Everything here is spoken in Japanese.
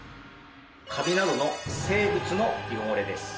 カビなどの生物の汚れです。